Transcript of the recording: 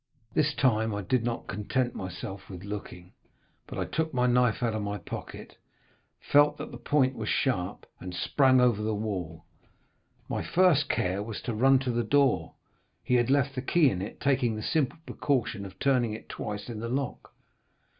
"This time I did not content myself with looking, but I took my knife out of my pocket, felt that the point was sharp, and sprang over the wall. My first care was to run to the door; he had left the key in it, taking the simple precaution of turning it twice in the lock.